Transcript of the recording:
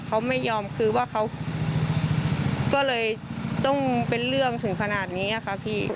เขาไม่ยอมคือว่าเขาก็เลยต้องเป็นเรื่องถึงขนาดนี้ค่ะพี่